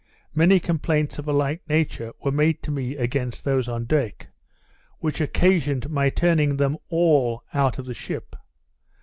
Many complaints of the like nature were made to me against those on deck, which occasioned my turning them all out of the ship.